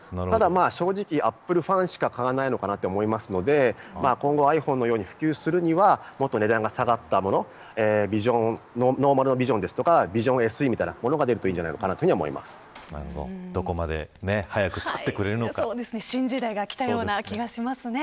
正直アップルファンしか買わないのかなと思いますので今後、ｉＰｈｏｎｅのように普及するにはもっと値段が下がったものノーマルビジョンとかビジョンＳＥみたいなものがどこまで早く新時代が来たような気がしますね。